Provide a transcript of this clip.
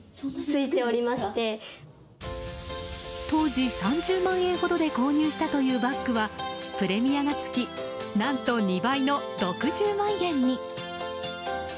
当時３０万円ほどで購入したというバッグはプレミアがつきなんと２倍の６０万円に。